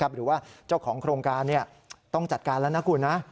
หรือว่าเจ้าของโครงการต้องจัดการแล้วนะคุณนะ